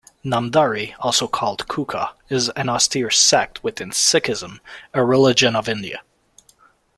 Namdhari, also called Kuka, is an austere sect within Sikhism, a religion of India.